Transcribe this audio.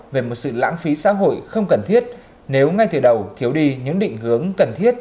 về một sự lãng phí xã hội không cần thiết nếu ngay từ đầu thiếu đi những định hướng cần thiết